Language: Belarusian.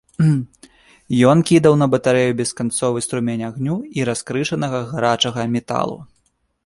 Ён кідаў на батарэю бесканцовы струмень агню і раскрышанага гарачага металу.